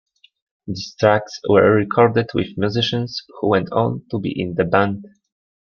These tracks were recorded with musicians who went on to be in The Band.